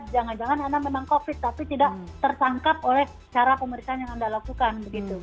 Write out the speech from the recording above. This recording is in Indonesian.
jangan jangan anda memang covid tapi tidak tertangkap oleh cara pemeriksaan yang anda lakukan begitu